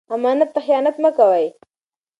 امانت ته خیانت مه کوئ.